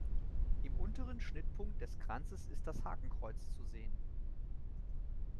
Im unteren Schnittpunkt des Kranzes ist das Hakenkreuz zu sehen.